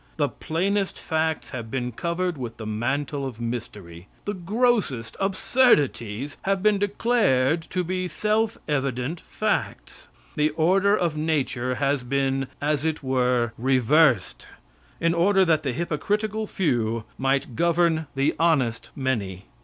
The plainest facts have been covered with the mantle of mystery. The grossest absurdities have been declared to be self evident facts. The order of nature has been, as it were, reversed, in order that the hypocritical few might govern the honest many.